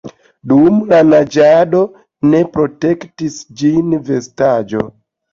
Dum la naĝado ne protektis ĝin vestaĵo.